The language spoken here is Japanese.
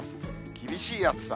厳しい暑さ。